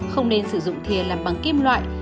không nên sử dụng thề làm bằng kim loại